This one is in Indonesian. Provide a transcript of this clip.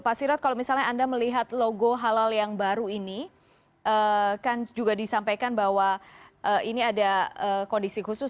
pak sirot kalau misalnya anda melihat logo halal yang baru ini kan juga disampaikan bahwa ini ada kondisi khusus